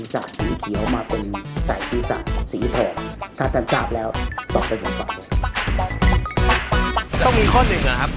ต้องมีข้อหนึ่งนะครับ